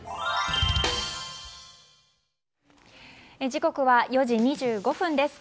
時刻は４時２５分です。